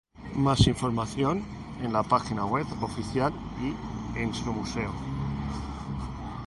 Más información en la página web oficial y en su museo.